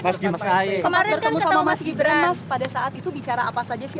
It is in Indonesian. pertemu sama mas gibran pada saat itu bicara apa saja sih